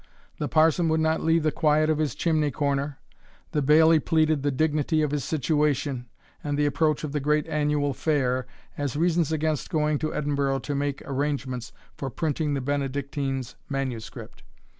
The parson would not leave the quiet of his chimney corner the bailie pleaded the dignity of his situation, and the approach of the great annual fair, as reasons against going to Edinburgh to make arrangements for printing the Benedictine's manuscript.